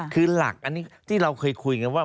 คือหลักอันนี้ที่เราเคยคุยกันว่า